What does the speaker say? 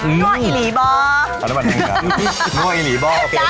มีน้วอิหรี่บ่้อ